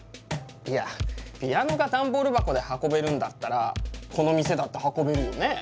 いやピアノがダンボール箱で運べるんだったらこの店だって運べるよね？